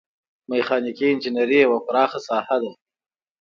میخانیکي انجنیری یوه پراخه ساحه ده.